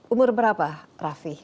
umur berapa raffi